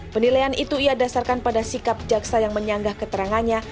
penilaian itu ia dasarkan pada sikap jaksa yang menyanggah keterangannya